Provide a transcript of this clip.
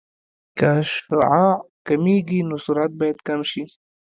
که شعاع کمېږي نو سرعت باید کم شي